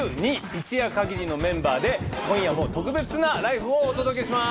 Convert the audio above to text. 一夜限りのメンバーで今夜も特別な「ＬＩＦＥ！」をお届けします！